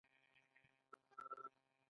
ولسواکي ځکه ښه ده چې د بیان ازادي ورکوي.